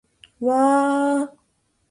わあーーーーーーーーーー